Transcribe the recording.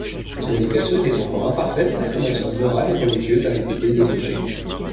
Son éducation était encore imparfaite, sa formation morale et religieuse avaient été négligée.